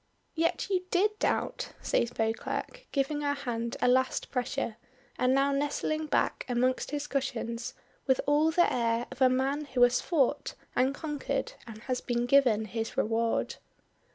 "Yet you did doubt," says Beauclerk, giving her hand a last pressure, and now nestling back amongst his cushions with all the air of a man who has fought and conquered and has been given his reward.